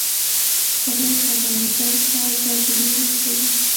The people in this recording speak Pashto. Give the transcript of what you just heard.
خدای خبر؟ بل کال به ګلونه کوي